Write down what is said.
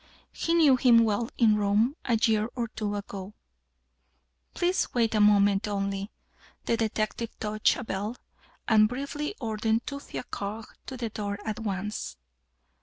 He knew him well in Rome, a year or two ago." "Please wait one moment only;" the detective touched a bell, and briefly ordered two fiacres to the door at once.